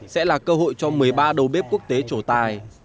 sẽ là cơ hội cho một mươi ba đầu bếp quốc tế trổ tài